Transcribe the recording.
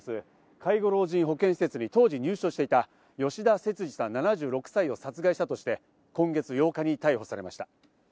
介護老人保健施設に当時入所していた吉田節次さん７６歳を殺害したとして、今月８日に逮捕されました。